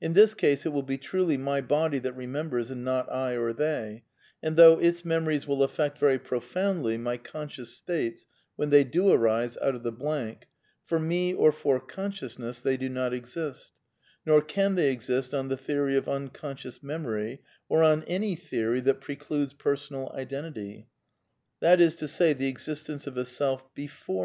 In this case it will be truly my body that remembers, and not I or they; and though its memo ries will affect very profoundly my conscious states when they do arise out of the blank, for me or for consciousness they do not exist ; nor can they exist on the theory of un conscious memory, or on any theory that precludes personal | identity; that is to say, the existence of a self before!